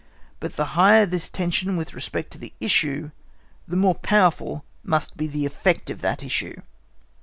But the higher this tension with respect to the issue, the more powerful must be the effect of that issue.